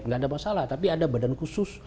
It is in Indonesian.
gak ada masalah tapi ada badan khusus